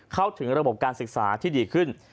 เข้าถึงระบบการศึกษาที่ดีขึ้น